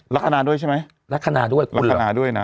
ลักษณะด้วยใช่ไหมลักษณะด้วยลักษณะด้วยนะ